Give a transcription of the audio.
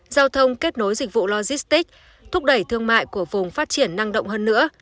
giao thông kết nối dịch vụ logistics thúc đẩy thương mại của vùng phát triển năng động hơn nữa